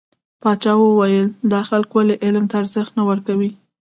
پاچا وويل: دا خلک ولې علم ته ارزښت نه ورکوي .